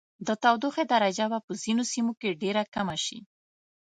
د تودوخې درجه به په ځینو سیمو کې ډیره کمه شي.